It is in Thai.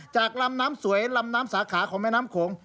จากลำน้ำสวยลำน้ำสาขาของแม่น้ำโขง